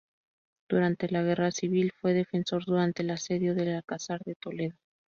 Durante la Guerra Civil fue defensor durante el Asedio del Alcazar de Toledo.